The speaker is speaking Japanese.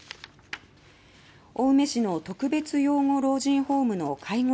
青梅市の特別養護老人ホームの介護